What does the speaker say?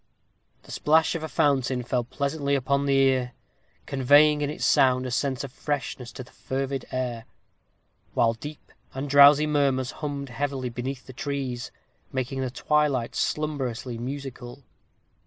The plash of a fountain fell pleasantly upon the ear, conveying in its sound a sense of freshness to the fervid air; while deep and drowsy murmurs hummed heavily beneath the trees, making the twilight slumberously musical.